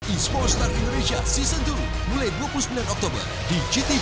ismo star indonesia season dua mulai dua puluh sembilan oktober di gtv